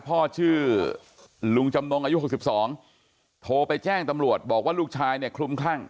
พ่อชื่อลุงจำนงอายุ๖๒โทรไปแจ้งตำรวจบอกว่าลูกชายเนี่ยคลุมคลั่ง